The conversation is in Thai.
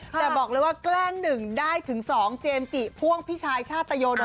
แต่บอกเลยว่าแกล้งหนึ่งได้ถึงสองเจมส์จี้พ่วงพี่ชายชาตโยดมนตร์